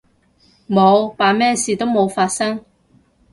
冇，扮咩事都冇發生